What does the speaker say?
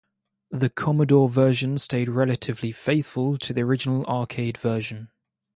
The Commodore version stayed relatively faithful to the original arcade version.